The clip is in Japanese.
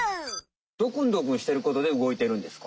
ドクンドクンしてることで動いてるんですか？